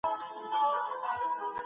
نوي ادب ابتکاري وي.